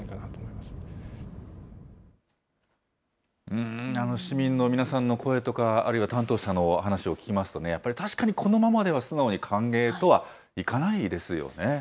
うーん、市民の皆さんの声とか、あるいは担当者のお話を聞きますとね、やっぱり確かにこのままでは素直に歓迎とはいかないですよね。